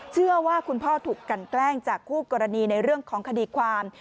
เชื่อว่าคุณพ่อถูกกันแกล้งจากขูบกรณีของข้อคดีความ